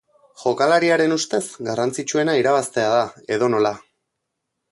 Jokalariaren ustez, garrantsitzuena irabaztea da, edonola.